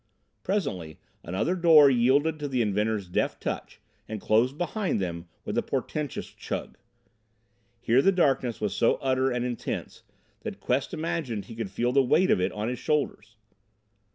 Presently another door yielded to the inventor's deft touch and closed behind them with a portentous chug. Here the darkness was so utter and intense that Quest imagined he could feel the weight of it on his shoulders.